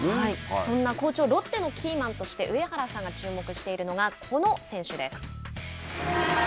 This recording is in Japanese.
そんな好調ロッテのキーマンとして上原さんが注目しているのがこの選手です。